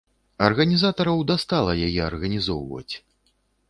Арганізатараў дастала яе арганізоўваць.